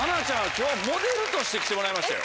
今日はモデルとして来てもらいましたよ。